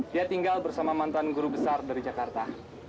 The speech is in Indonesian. dia tinggal bersama mantan guru besar dari jakarta